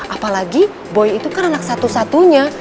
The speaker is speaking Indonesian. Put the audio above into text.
apalagi boy itu kan anak satu satunya